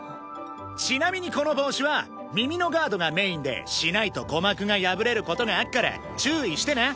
ちなみにこの帽子は耳のガードがメインでしないと鼓膜が破れる事があっから注意してな。